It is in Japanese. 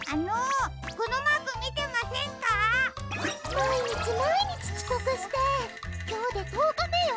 まいにちまいにちちこくしてきょうでとおかめよ。